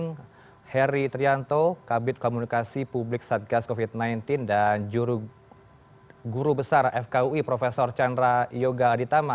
kemudian heri trianto kabit komunikasi publik satgas covid sembilan belas dan guru besar fkui prof chandra yoga aditama